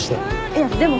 いやでも。